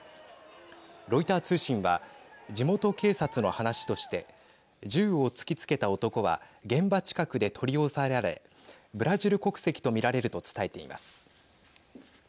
ロイター通信は地元警察の話として銃を突きつけた男は現場近くで取り押さえられブラジル国籍と見られると伝えています。